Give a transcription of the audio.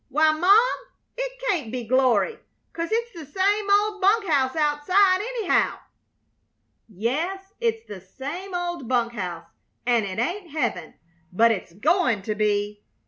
Why, Mom, it can't be glory, 'cause it's the same old bunk house outside, anyhow." "Yes, it's the same old bunk house, and it ain't heaven, but it's goin' to be.